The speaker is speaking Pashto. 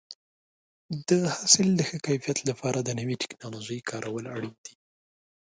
د حاصل د ښه کیفیت لپاره د نوې ټکنالوژۍ کارول اړین دي.